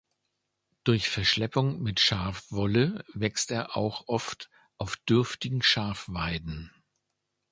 Durch Verschleppung mit Schafwolle wächst er auch oft auf dürftigen Schafweiden.